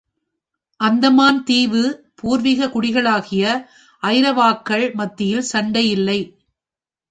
அந்தமான் தீவு பூர்வீக குடிகளாகிய ஜரவாக்கள் மத்தியில் சண்டையில்லை.